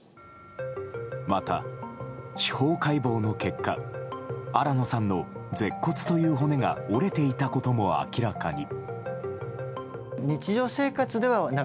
また司法解剖の結果新野さんの舌骨という骨が折れていたことも明らかに。